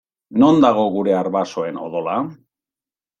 Non dago gure arbasoen odola?